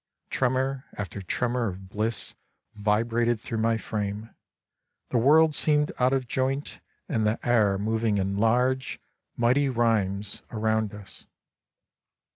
Tremor after tremor of bliss vibrated through my frame. The world seemed out of joint, and the air moving in large, mighty rhyms around us.